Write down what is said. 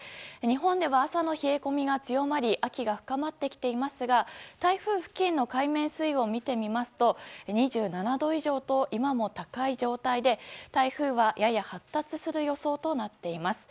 日本では、朝の冷え込みが強まり秋が深まってきていますが台風付近の海面水温を見てみますと２７度以上と今も高い状態で台風は、やや発達する予想となっています。